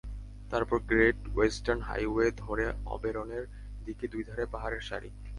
তারপর Great Western Highway ধরে অবেরনের দিকে দুই ধারে পাহাড়ের সারি।